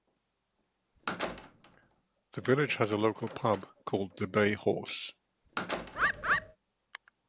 The village has a local pub called the Bay Horse.